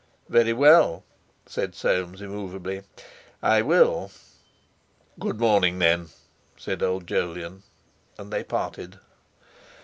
"Very well," said Soames immovably, "I will!" "Good morning, then," said old Jolyon, and they parted.